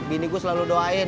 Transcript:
bini gue selalu doain